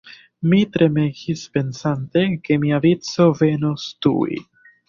Mi tremegis pensante, ke mia vico venos tuj.